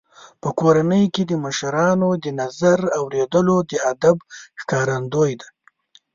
په کورنۍ کې د مشرانو د نظر اورېدل د ادب ښکارندوی دی.